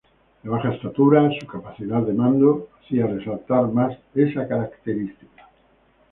De baja estatura, su capacidad de mando hacía resaltar más esa característica.